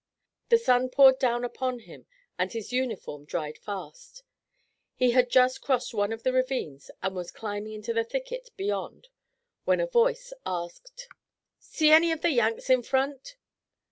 The sun poured down upon him and his uniform dried fast. He had just crossed one of the ravines and was climbing into the thicket beyond when a voice asked: "See any of the Yanks in front?"